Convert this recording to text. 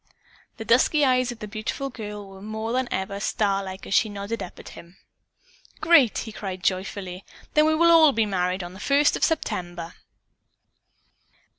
The dusky eyes of the beautiful girl were more than ever starlike as she nodded up at him. "Great!" he cried joyfully. "Then we will all be married on the first of September."